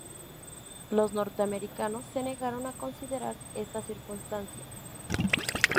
Los norteamericanos se negaron a considerar esta circunstancia.